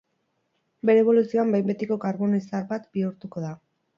Bere eboluzioan behin betiko karbono izar bat bihurtuko da.